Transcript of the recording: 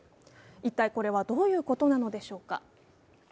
一体これはどういうことなのでしょうか。